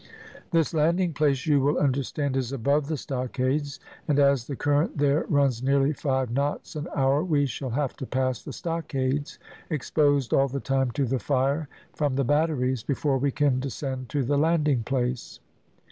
This landing place you will understand is above the stockades, and as the current there runs nearly five knots an hour, we shall have to pass the stockades, exposed all the time to the fire from the batteries, before we can descend to the landing place.